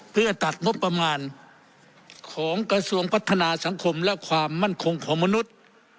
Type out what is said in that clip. เพื่อตัดงบประมาณของกระทรวงพัฒนาสังคมและความมั่นคงของมนุษย์